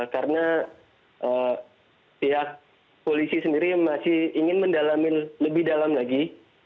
karena pihak polisi sendiri masih ingin mendalami lebih dalam lagi